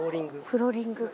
フローリングが。